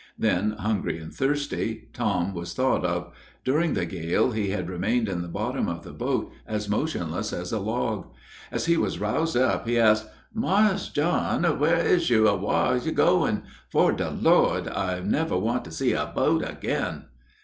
Then, hungry and thirsty, Tom was thought of. During the gale he had remained in the bottom of the boat as motionless as a log. As he was roused up, he asked: "Marse John, whar is you, and whar is you goin'? 'Fore de Lord, I never want to see a boat again."